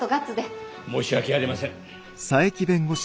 申し訳ありません。